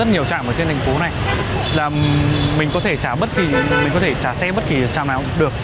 trả nào cũng được